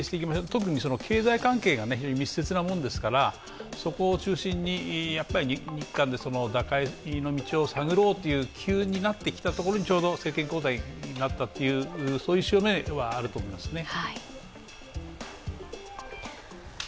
特に経済関係が非常に密接なものですから、そこを中心に日韓で打開の道を探ろうという機運になってきたところにちょうど政権交代になったという潮目はあると思いますね。